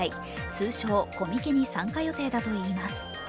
通称・コミケに参加予定だといいます。